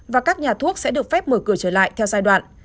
và các nhà thuốc sẽ được phép mở cửa trở lại theo giai đoạn